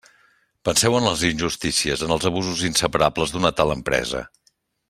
Penseu en les injustícies, en els abusos inseparables d'una tal empresa.